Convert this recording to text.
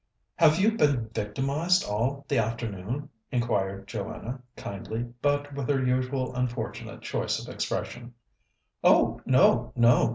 "Have you been victimized all the afternoon?" inquired Joanna kindly, but with her usual unfortunate choice of expression. "Oh, no, no!"